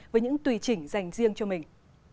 với những tùy chỉnh dành riêng cho mình